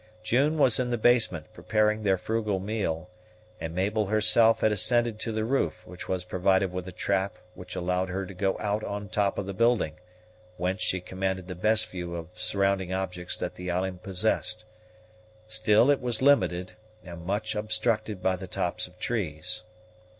June was in the basement, preparing their frugal meal, and Mabel herself had ascended to the roof, which was provided with a trap that allowed her to go out on the top of the building, whence she commanded the best view of surrounding objects that the island possessed; still it was limited, and much obstructed by the tops of trees.